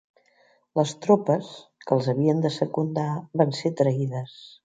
Les tropes, que els havien de secundar van ser traïdes